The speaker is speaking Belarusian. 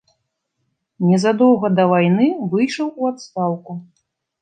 Незадоўга да вайны выйшаў у адстаўку.